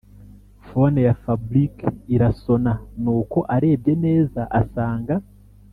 phone ya fabric irasona nuko arebye neza asanga